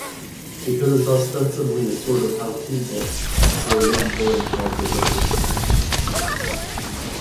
Because it's ostensibly a sort of how-to book, there are no boring childhood reminiscences.